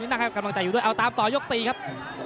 นั่งให้กำลังใจอยู่ด้วยเอาตามต่อยก๔ครับ